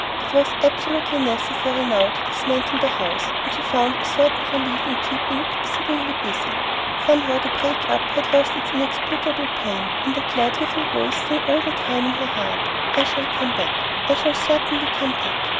It was absolutely necessary now to dismantle the house, and she found a certain relief in keeping exceedingly busy. Somehow the break up had lost its inexplicable pain, and a glad little voice sang all the time at her heart, "I shall come back; I shall certainly come back.